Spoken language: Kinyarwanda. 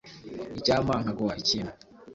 Icyampa nkaguha ikintu